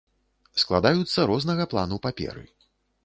Складаюцца рознага плану паперы.